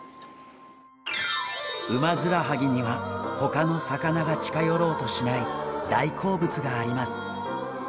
ウマヅラハギには他の魚が近寄ろうとしない大好物があります。